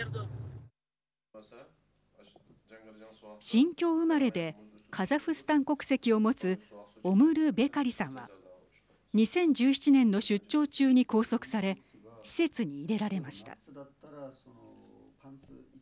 新疆生まれでカザフスタン国籍を持つオムル・ベカリさんは２０１７年の出張中に拘束され施設に入れられました。